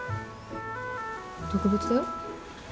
特別だよ。